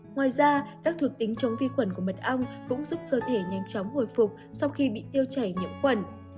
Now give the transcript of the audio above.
ngoài ra các thuộc tính chống vi khuẩn của mật ong cũng giúp cơ thể nhanh chóng hồi phục sau khi bị tiêu chảy nhiễm khuẩn